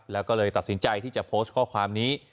แล้วก็เลยตัดสินใจที่จะโพสต์ข้อความนี้